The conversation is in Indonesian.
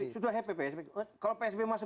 sudah happy pak sb